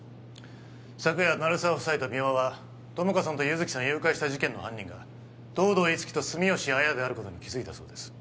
昨夜鳴沢夫妻と三輪は友果さんと優月さん誘拐した事件の犯人が東堂樹生と住吉亜矢であることに気づいたそうです